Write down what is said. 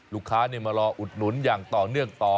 ลูกค้ามารออุดหนุนอย่างต่อเนื่องต่อ